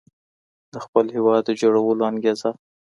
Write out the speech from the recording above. د خپل هېواد د جوړولو انګېزه.